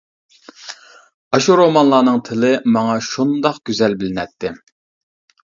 ئاشۇ رومانلارنىڭ تىلى ماڭا شۇنداق گۈزەل بىلىنەتتى.